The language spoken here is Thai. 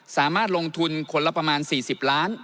สามารถลงทุนคนละประมาณ๔๐ล้าน